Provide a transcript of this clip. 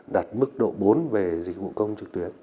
đạt mức độ bốn về dịch vụ công trực tuyến